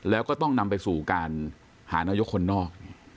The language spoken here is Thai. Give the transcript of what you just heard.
แล้วก็ต้องนำไปสู่การหานายกคนนอก